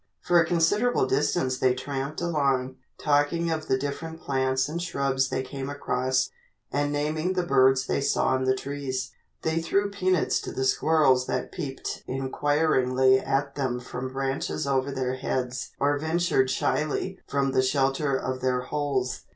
For a considerable distance they tramped along, talking of the different plants and shrubs they came across and naming the birds they saw in the trees. They threw peanuts to the squirrels that peeped inquiringly at them from branches over their heads or ventured shyly from the shelter of their holes.